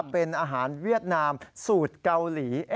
เป็นอาหารเวียดนามสูตรเกาหลี